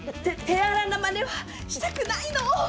手荒なまねは、したくないのぉ！